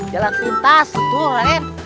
jalan pintas tuh raden